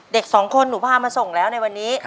เด็กสองคนหนูพามาส่งแล้วในวันนี้